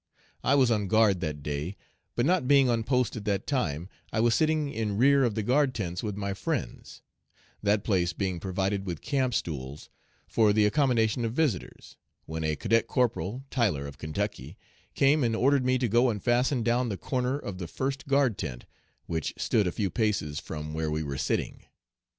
I was on guard that day, but not being on post at that time, I was sitting in rear of the guard tents with my friends that place being provided with camp stools for the accommodation of visitors when a cadet corporal, Tyler, of Kentucky, came and ordered me to go and fasten down the corner of the first guard tent, which stood a few paces from where we were sitting.